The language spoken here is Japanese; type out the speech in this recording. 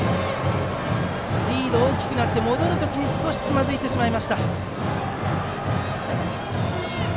リードが大きくなって戻る時に少しつまずいてしまいました。